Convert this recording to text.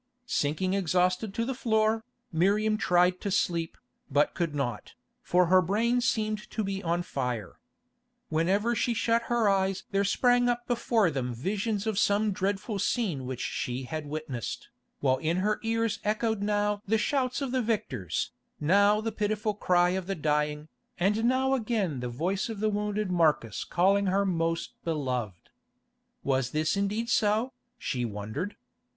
Sinking exhausted to the floor, Miriam tried to sleep, but could not, for her brain seemed to be on fire. Whenever she shut her eyes there sprang up before them visions of some dreadful scene which she had witnessed, while in her ears echoed now the shouts of the victors, now the pitiful cry of the dying, and now again the voice of the wounded Marcus calling her "Most Beloved." Was this indeed so, she wondered?